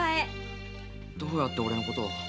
どうやって俺のことを？